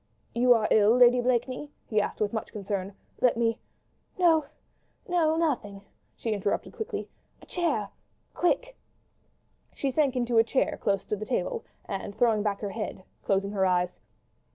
"You are ill, Lady Blakeney?" he asked with much concern. "Let me ..." "No, no, nothing—" she interrupted quickly. "A chair—quick." She sank into a chair close to the table, and throwing back her head, closed her eyes.